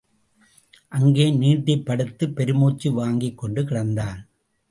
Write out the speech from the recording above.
அங்கே நீட்டிப்படுத்துப் பெருமூச்சு வாங்கிக்கொண்டு கிடந்தான்.